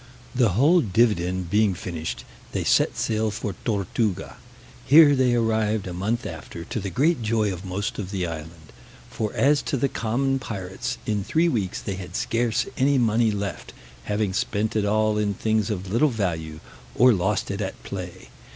The whole dividend being finished, they set sail for Tortuga. Here they arrived a month after, to the great joy of most of the island; for as to the common pirates, in three weeks they had scarce any money left, having spent it all in things of little value, or lost it at play.